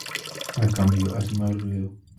A cambio, hace más ruido.